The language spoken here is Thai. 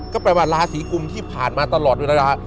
ก็แปลว่าราศีกุมที่ผ่านมาตลอดเวลา